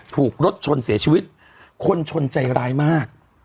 ถูกรถชนเสียชีวิตคนชนใจร้ายมาก